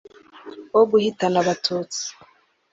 Wo guhitana abatutsi